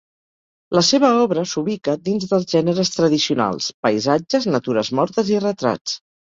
La seva obra s'ubica dins dels gèneres tradicionals: paisatges, natures mortes i retrats.